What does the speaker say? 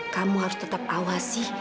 kamu harus tetap awasi